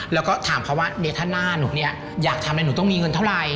แล้วก็ถามเขาว่าถ้าหน้าหนูเนี่ยอยากทำอะไรหนูต้องมีเงินเท่าไหร่